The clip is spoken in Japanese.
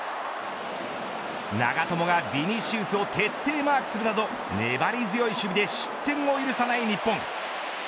長友がヴィニシウスを徹底マークするなど粘り強い守備で失点を許さない日本。